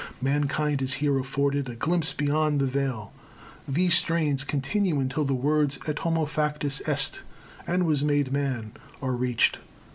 Mankind is here afforded a glimpse beyond the veil. These strains continue until the words et homo factus est (and was made man) are reached.